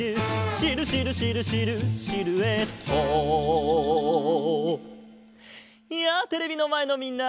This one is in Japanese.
「シルシルシルシルシルエット」やあテレビのまえのみんな！